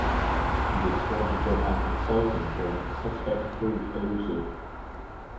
He described the job as "exciting" when "suspects proved elusive".